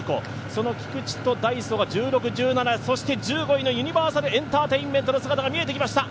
その菊地とダイソーが１６、１７、そして１５位のユニバーサルエンターテインメントの姿が見えてきました。